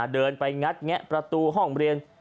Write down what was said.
เดินไปงัดแงะประตูห้องเรียน